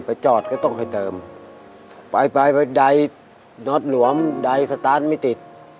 ไปจอดก็ต้องคอยเติมไปไปไป่ไปดัยดัยสต้านไม่ติด